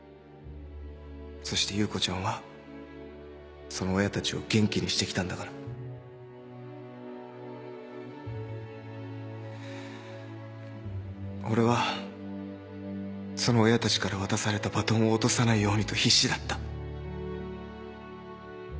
そして優子ちゃんはその親たちを元気にして来たんだから。俺はその親たちから渡されたバトンを落とさないようにと必死だった。